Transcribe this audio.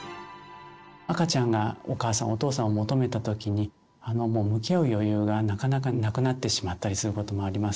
赤ちゃんがお母さんお父さんを求めた時に向き合う余裕がなかなかなくなってしまったりすることもあります。